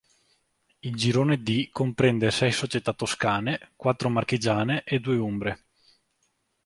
Il girone D comprende sei società toscane, quattro marchigiane e due umbre.